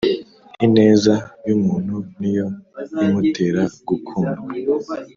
Ineza yumuntu niyo imutera gukundwa